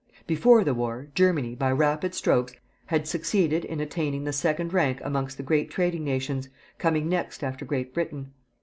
Before the war, Germany, by rapid strides, had succeeded in attaining the second rank amongst the great trading nations, coming next after Great Britain.